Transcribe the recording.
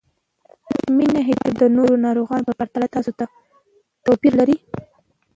مينه حتماً د نورو ناروغانو په پرتله تاسو ته توپير لري